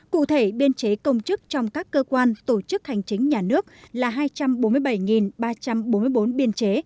cụ thể biên chế công chức trong các cơ quan tổ chức hành chính nhà nước là hai trăm bốn mươi bảy ba trăm bốn mươi bốn biên chế